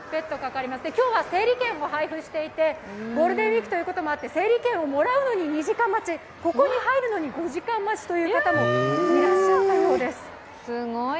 今日は整理券も配布していてゴールデンウイークということもあって、整理券をもらうのにも２時間待ち、ここに入るのに５時間待ちという方もいらっしゃいます。